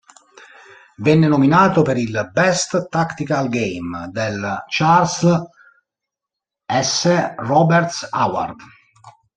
Venne nominato per il "Best Tactical Game" del Charles S. Roberts Award.